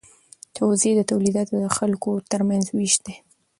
توزیع د تولیداتو د خلکو ترمنځ ویش دی.